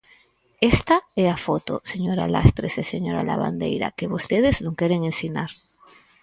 ¡Esta é a foto, señora Lastres e señor Lavandeira, que vostedes non queren ensinar!